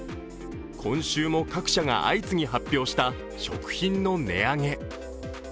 今週も各社が相次ぎ発表した食品の値上げ。